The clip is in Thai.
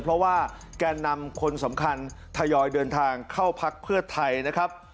เพราะว่าแก่นำคนสำคัญทยอยเดินทางเข้าพักเพื่อไทยนะครับ